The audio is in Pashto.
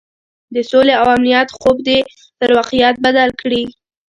د سولې او امنیت خوب دې پر واقعیت بدل کړي.